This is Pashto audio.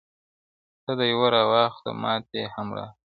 o ته ډېوه را واخله ماتې هم راکه,